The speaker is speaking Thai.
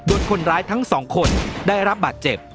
คนร้ายทั้งสองคนได้รับบาดเจ็บ